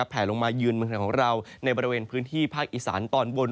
แผ่ลงมายืนของเราในบริเวณพื้นที่ภาคอิสานตอนบน